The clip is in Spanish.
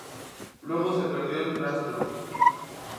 Luego se le perdió el rastro.